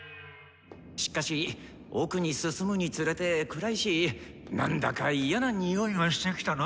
しっかし奥に進むにつれて暗いし何だかイヤなニオイがしてきたな。